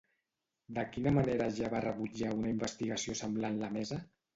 De quina manera ja va rebutjar una investigació semblant la mesa?